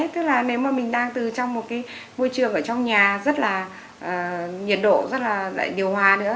tức là nếu mà mình đang từ trong một cái môi trường ở trong nhà rất là nhiệt độ rất là điều hòa nữa